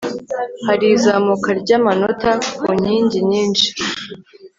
hari izamuka ry'amanota ku nkingi nyinshi